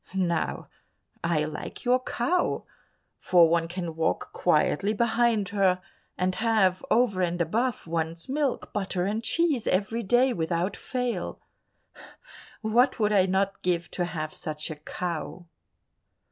Now I like your cow, for one can walk quietly behind her, and have, over and above, one's milk, butter and cheese every day without fail. What would I not give to have such a cow."